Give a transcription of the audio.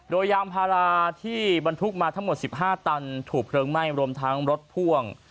โดยยางพาราที่บรรทุกมาทั้งหมด๑๕ตันถูกเพลิงไหม้รวมทั้งรถพ่วง